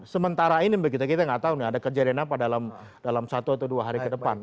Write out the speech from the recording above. sementara ini begitu kita nggak tahu nih ada kejadian apa dalam satu atau dua hari ke depan